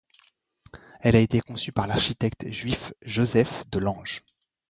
Elle a été conçue par l'architecte juif Joseph de Lange.